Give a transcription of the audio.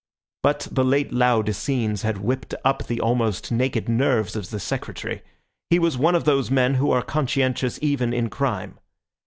But the late loud scenes had whipped up the almost naked nerves of the Secretary. He was one of those men who are conscientious even in crime.